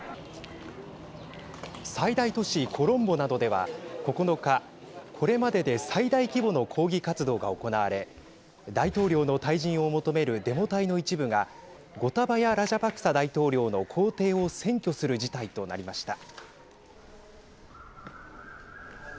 最大都市、コロンボなどでは９日、これまでで最大規模の抗議活動が行われ大統領の退陣を求めるデモ隊の一部がゴタバヤ・ラジャパクサ大統領の公邸を占拠する事態となりました。